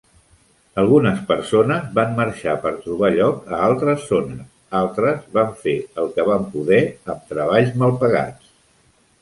Algunes persones van marxar per trobar lloc a altres zones; altres van fer el que van poder amb treballs mal pagats.